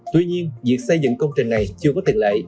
tuy nhiên việc xây dựng công trình này chưa có tiền lệ